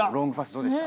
どうでした？